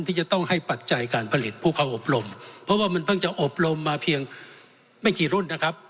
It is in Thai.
ที่จะต้องให้ปัจจัยการผลิตผู้เข้าอบรมเพราะว่ามันเพิ่งจะอบรมมาเพียงไม่กี่รุ่นนะครับ